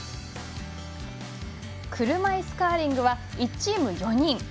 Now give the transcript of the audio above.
車いすカーリングは１チーム４人。